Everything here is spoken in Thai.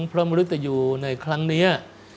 พระมรุตยูในครั้งนี้